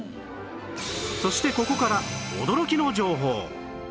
そしてここから驚きの情報